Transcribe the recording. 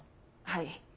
はい。